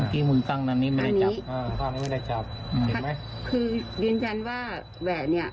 อันนี้ไม่ได้จับอ่าอันนี้ไม่ได้จับเห็นไหมคือยืนยันว่าแหวนเนี้ย